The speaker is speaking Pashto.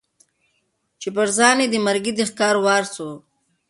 چي پر ځان یې د مرګي د ښکاري وار سو